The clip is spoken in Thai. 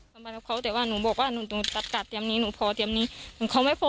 ก็บอกว่าพ่อสามีเป็นคนโดมรี่จ้าะพ่อเธอเรียบกรณ์ด้านไหน